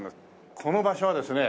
この場所はですね